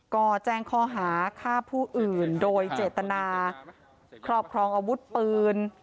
ก็แจ้งข้อหาฆ่าผู้อื่นโดยเจตนาครอบครองอาวุธปืน